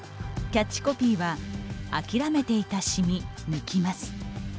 キャッチコピーは「諦めていたシミ、抜きます」。